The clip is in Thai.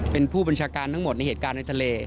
เป็นผู้บัญชาการทั้งหมดในเหตุการณ์ในทะเล